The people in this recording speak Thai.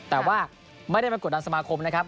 แต่ว่าไม่ได้มากดดันสมาคมนะครับ